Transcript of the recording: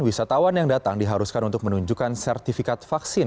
wisatawan yang datang diharuskan untuk menunjukkan sertifikat vaksin